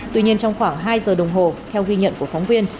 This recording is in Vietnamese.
tuy nhiên trong khoảng hai giờ đồng hồ theo ghi nhận của phóng viên